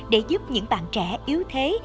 để giúp những bạn trẻ yếu thế